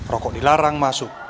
rokok dilarang masuk